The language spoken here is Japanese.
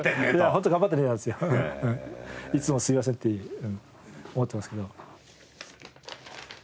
本当「頑張ってね」なんですよ。いつもすみませんって思ってますけど。